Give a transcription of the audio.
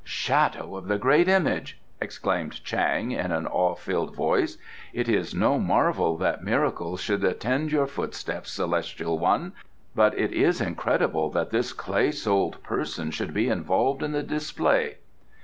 "Shadow of the Great Image!" exclaimed Chang, in an awe filled voice. "It is no marvel that miracles should attend your footsteps, celestial one, but it is incredible that this clay souled person should be involved in the display."